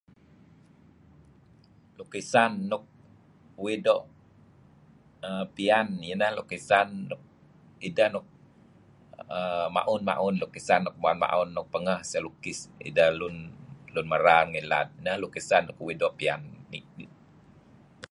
Lukisan nuk uih doo' err piyan ineh lukisan idah nuk err ma'un-ma'un lukisan nuk ma'un-ma'un nuk pengeh selukis idah lun merar ngilad. Neh lukisan nuk uih doo' piyan ni'er.